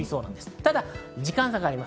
ただ時間差があります。